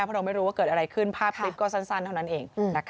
เพราะเราไม่รู้ว่าเกิดอะไรขึ้นภาพคลิปก็สั้นเท่านั้นเอง